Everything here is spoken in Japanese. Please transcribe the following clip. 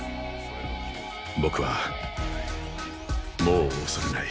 僕はもう恐れない。